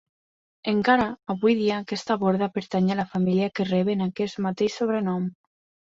Encara avui dia aquesta borda pertany a la família que reben aquest mateix sobrenom.